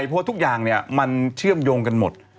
เพราะทุกอย่างมันเชื่อมโยงกันหมด